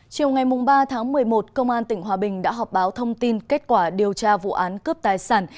chiều ngày ba tháng một mươi một công an tỉnh hòa bình đã họp báo thông tin kết quả điều tra vụ án cướp tài sản